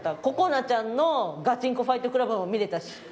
ここなちゃんの「ガチンコファイトクラブ」も見れたし。